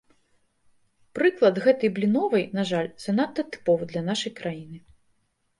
Прыклад гэтай бліновай, на жаль, занадта тыповы для нашай краіны.